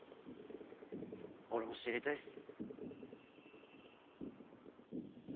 俺も知りたいっす。